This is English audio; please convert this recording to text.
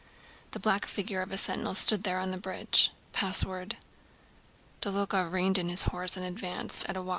The black figure of a sentinel stood on the bridge. "Mot d'ordre." "Password." Dólokhov reined in his horse and advanced at a walk.